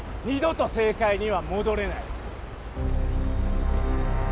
二度と政界には戻れない！